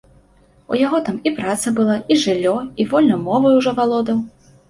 У яго там і праца была, і жыллё, і вольна мовай ужо валодаў.